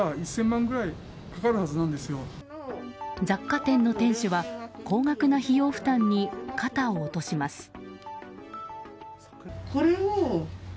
雑貨店の店主は高額な費用負担に肩を落とします。